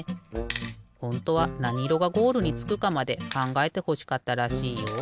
ほんとはなにいろがゴールにつくかまでかんがえてほしかったらしいよ。